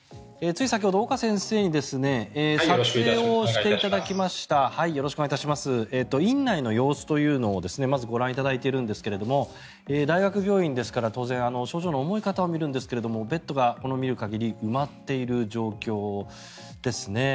つい先ほど岡先生に撮影をしていただきました院内の様子というのをまずご覧いただいているんですが大学病院ですから当然、症状の重い方を診るんですけれどもベッドが見る限り埋まっている状況ですね。